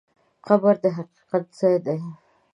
قبر د حقیقت ځای دی.